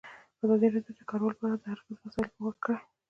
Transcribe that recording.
ازادي راډیو د کډوال په اړه د هر اړخیزو مسایلو پوښښ کړی.